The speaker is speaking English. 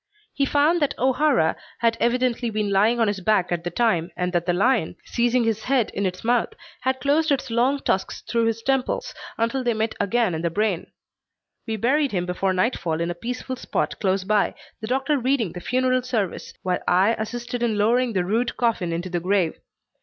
He found that O'Hara had evidently been lying on his back at the time, and that the lion, seizing his head in its mouth, had closed its long tusks through his temples until they met again in the brain. We buried him before nightfall in a peaceful spot close by, the doctor reading the funeral service, while I assisted in lowering the rude coffin into the grave.